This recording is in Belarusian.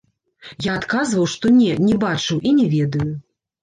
Я адказваў, што не, не бачыў і не ведаю.